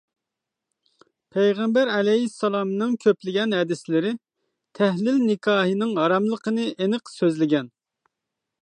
پەيغەمبەر ئەلەيھىسسالامنىڭ كۆپلىگەن ھەدىسلىرى تەھلىل نىكاھىنىڭ ھاراملىقىنى ئېنىق سۆزلىگەن.